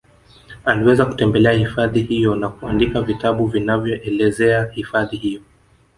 Aliweza kutembelea hifadhi hiyo na kuandika vitabu vinavyoelezea hifadhi hiyo